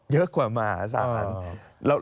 เยอะกว่ามาสามารถ